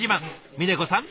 峰子さん